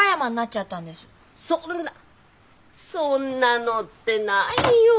そんなそんなのってないよっ。